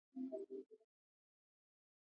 ایا ستاسو زغم ډیر دی؟